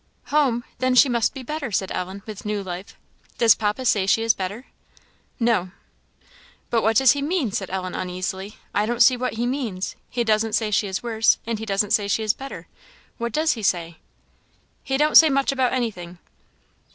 "Home! then she must be better!" said Ellen, with new life; "does papa say she is better?" "No." "But what does he mean?" said Ellen, uneasily; "I don't see what he means; he doesn't say she is worse, and he doesn't say she is better; what does he say?" "He don't say much about anything."